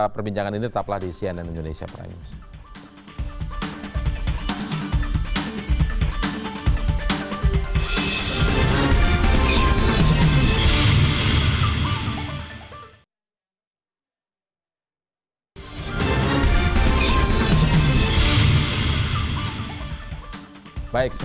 perbincangan ini tetaplah di cnn indonesia prime